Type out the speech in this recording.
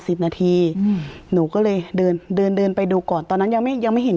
สิบนาทีอืมหนูก็เลยเดินเดินเดินเดินไปดูก่อนตอนนั้นยังไม่ยังไม่เห็น